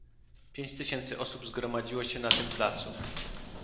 Pięć tysięcy osób zgromadziło się na tym placu